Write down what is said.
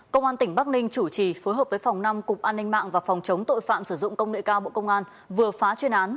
công an tỉnh bắc ninh chủ trì phối hợp với phòng năm cục an ninh mạng và phòng chống tội phạm sử dụng công nghệ cao bộ công an vừa phá chuyên án